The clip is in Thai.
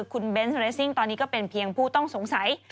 คุณเบนส์เรสซิ่งตอนนี้ก็เป็นเพียงผู้ต้องสงสัย